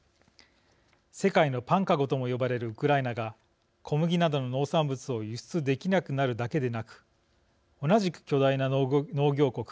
世界のパンかごとも呼ばれるウクライナが小麦などの農産物を輸出できなくなるだけでなく同じく巨大な農業国